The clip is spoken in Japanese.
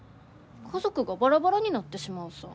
家族がバラバラになってしまうさ。